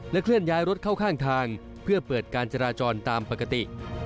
เคลื่อนย้ายรถเข้าข้างทางเพื่อเปิดการจราจรตามปกติ